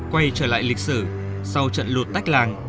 quay trở lại lịch sử sau trận lụt tách làng